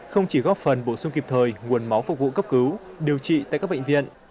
không chỉ góp phần bổ sung kịp thời nguồn máu phục vụ cấp cứu điều trị tại các bệnh viện